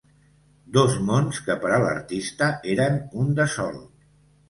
Dos mons que per a l’artista eren un de sol.